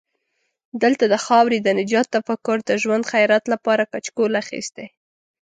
دلته د خاورې د نجات تفکر د ژوند خیرات لپاره کچکول اخستی.